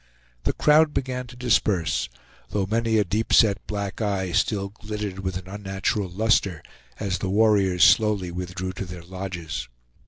The crowd began to disperse, though many a deep set black eye still glittered with an unnatural luster, as the warriors slowly withdrew to their lodges.